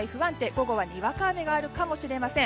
午後はにわか雨があるかもしれません。